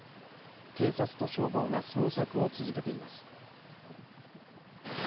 警察と消防が捜索を続けています。